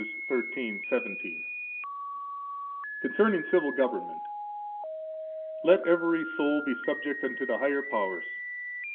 13:17.] Concerning Civil Government. Let every soul be subject unto the higher powers.